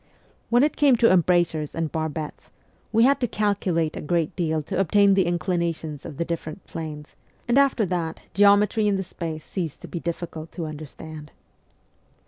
When it came to embrasures and barbettes, we had to calculate a great deal to obtain the inclina tions of the different planes, and after that geometry in the space ceased to be difficult to understand.